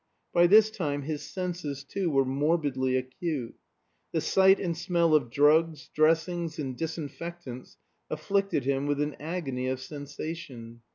By this time his senses, too, were morbidly acute. The sight and smell of drugs, dressings, and disinfectants afflicted him with an agony of sensation.